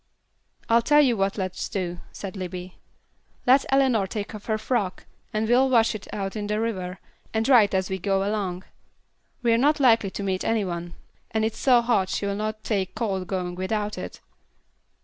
"I'll tell you what let's do," said Libbie. "Let Eleanor take off her frock, and we'll wash it out in the river, and dry it as we go along. We're not likely to meet any one, and it's so hot she'll not take cold going without it.